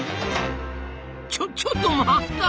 ちょちょっと待った！